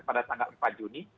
pada tanggal empat juni